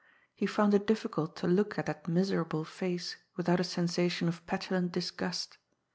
He found it difficult to look at that miserable face without a sensation of petulant disgust.